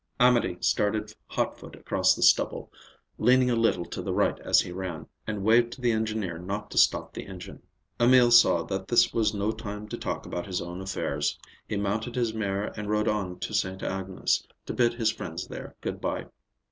Amédée started hot foot across the stubble, leaning a little to the right as he ran, and waved to the engineer not to stop the engine. Emil saw that this was no time to talk about his own affairs. He mounted his mare and rode on to Sainte Agnes, to bid his friends there good bye.